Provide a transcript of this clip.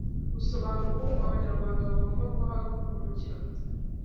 Usobanura ubukungu abanyarwanda bagomba guhagurukira